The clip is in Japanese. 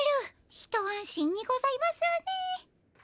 一安心にございますね。